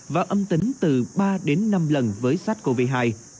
và âm tính từ ba đến năm lần với sát covid hai